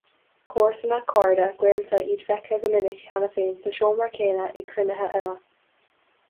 Comharsana, cairde, gaolta, iad feicthe go minic cheana aige sa seomra céanna ag cruinnithe eile.